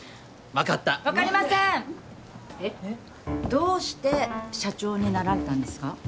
どうして社長になられたんですか？